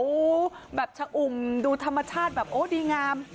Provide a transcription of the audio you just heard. โอ้โหแบบชะอุ่มดูธรรมชาติแบบโอ้ดีงาม